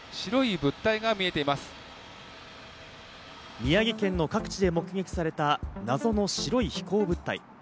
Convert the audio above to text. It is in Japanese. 宮城県の各地で目撃された謎の白い飛行物体。